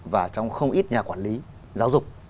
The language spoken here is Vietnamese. và trong không ít nhà quản lý giáo dục